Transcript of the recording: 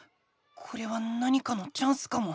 これは何かのチャンスかも。